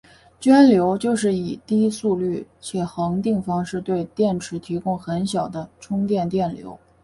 涓流就是以低速率且恒定方式对电池提供很小的充电电流。